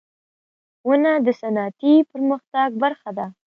• ونه د صنعتي پرمختګ برخه ده.